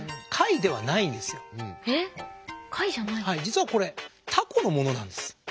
実はこれタコのものなんです。